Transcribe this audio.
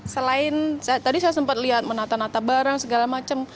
selain tadi saya sempat lihat menata nata barang segala macam